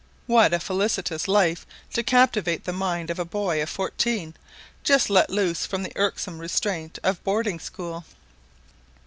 What a felicitous life to captivate the mind of a boy of fourteen, just let loose from the irksome restraint of boarding school!